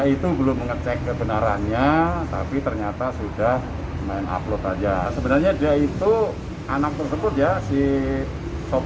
ibu ingat air usok